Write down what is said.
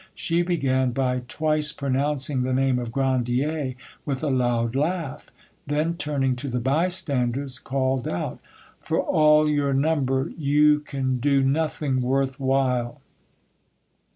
She began by twice pronouncing the name of Grandier with a loud laugh; then turning to the bystanders, called out— "For all your number, you can do nothing worth while."